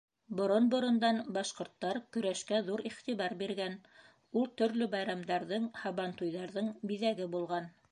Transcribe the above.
Борон-борондан башҡорттар көрәшкә ҙур иғтибар биргән, ул төрлө байрамдарҙың, һабантуйҙарҙың биҙәге булған.